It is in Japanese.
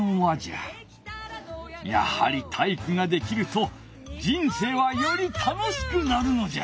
やはり体育ができると人生はより楽しくなるのじゃ！